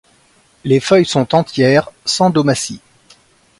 Les feuilles sont entières, sans domaties.